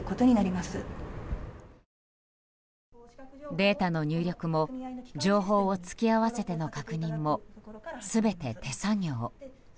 データの入力も情報を突き合わせての確認も全て手作業。